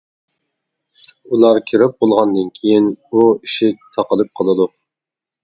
ئۇلار كىرىپ بولغاندىن كېيىن، ئۇ ئىشىك تاقىلىپ قالىدۇ.